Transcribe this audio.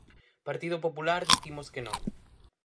Partido Popular, dicimos que non.